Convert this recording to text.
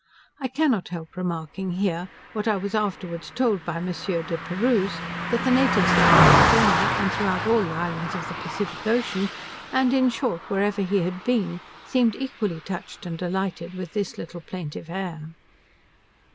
I cannot help remarking here, what I was afterwards told by Monsieur De Perrouse, that the natives of California, and throughout all the islands of the Pacific Ocean, and in short wherever he had been, seemed equally touched and delighted with this little plaintive air.